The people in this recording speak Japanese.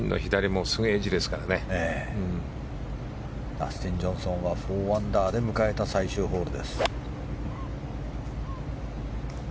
ダスティン・ジョンソンは４アンダーで迎えた最終ホール。